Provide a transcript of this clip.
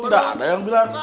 tidak ada yang bilang